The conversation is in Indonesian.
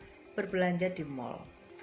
saya juga bisa berbelanja di mall